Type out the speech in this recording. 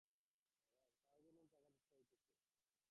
কাগজের জন্য টাকার চেষ্টা হইতেছে।